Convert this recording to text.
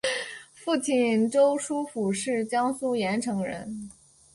父亲周书府是江苏盐城人。